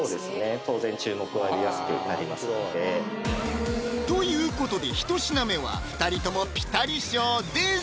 当然注目を浴びやすくなりますのでということでひと品目は２人ともピタリ賞出ず